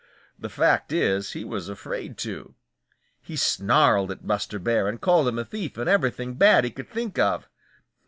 The fact is, he was afraid to. He snarled at Buster Bear and called him a thief and everything bad he could think of.